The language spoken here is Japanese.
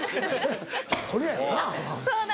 これやよな。